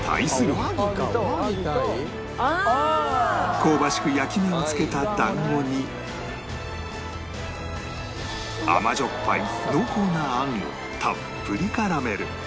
香ばしく焼き目をつけた団子に甘じょっぱい濃厚な餡をたっぷり絡める